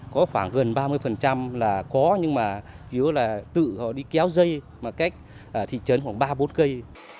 có khoảng gần ba mươi là có nhưng mà chủ yếu là tự họ đi kéo dây mà cách thị trấn khoảng ba bốn cây